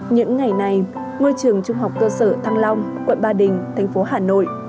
những ngày này ngôi trường trung học cơ sở thăng long quận ba đình thành phố hà nội